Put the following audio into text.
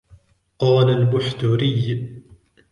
قَالَ الْبُحْتُرِيُّ